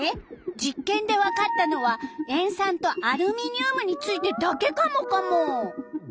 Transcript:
実験でわかったのは塩酸とアルミニウムについてだけカモカモ。